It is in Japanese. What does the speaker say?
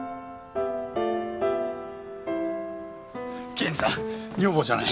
検事さん女房じゃない。